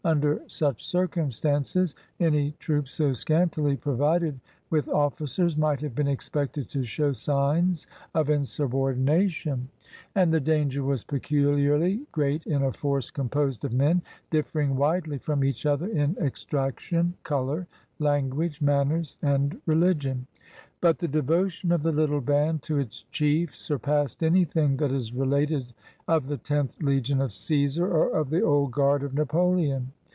Under such circum stances, any troops so scantily provided with officers might have been expected to show signs of insubordi nation; and the danger was peculiarly great in a force composed of men differing widely from each other in extraction, color, language, manners, and religion. But the devotion of the little band to its chief surpassed anything that is related of the Tenth Legion of Caesar or of the Old Guard of Napoleon.